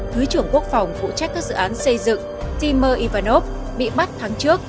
thứ trưởng quốc phòng phụ trách các dự án xây dựng timur ivanov bị bắt tháng trước